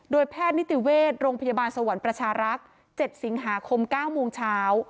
แพทย์นิติเวชโรงพยาบาลสวรรค์ประชารักษ์๗สิงหาคม๙โมงเช้า